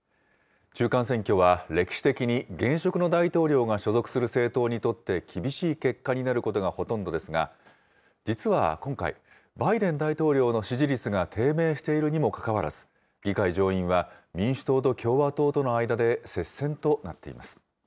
中間選挙は歴史的に現職の大統領が所属する政党にとって厳しい結果になることがほとんどですが、実は今回、バイデン大統領の支持率が低迷しているにもかかわらず、議会上院は民主党と共和党との間で接戦となっています。